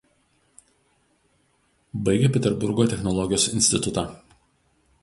Baigė Peterburgo technologijos institutą.